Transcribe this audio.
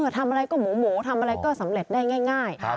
ทำอะไรก็หมูทำอะไรก็สำเร็จได้ง่าย